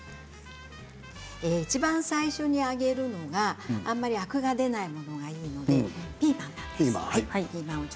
いちばん最初に揚げるのはあまりアクが出ないものがいいのでピーマンなんです。